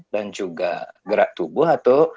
dan juga gerak tubuh atau